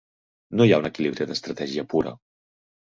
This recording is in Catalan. No hi ha un equilibri d'estratègia pura.